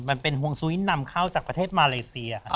มันเป็นฮวงซุ้ยนำเข้าจากประเทศมาเลเซีย